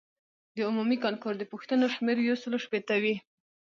د عمومي کانکور د پوښتنو شمېر یو سلو شپیته وي.